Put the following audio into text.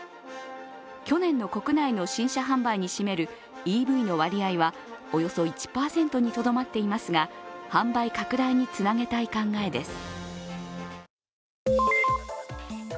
去年の国内の新車販売に占めるＥＶの割合はおよそ１％にとどまっていますが販売拡大につなげたい考えです。